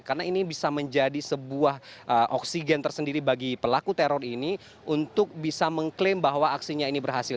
karena ini bisa menjadi sebuah oksigen tersendiri bagi pelaku teror ini untuk bisa mengklaim bahwa aksinya ini berhasil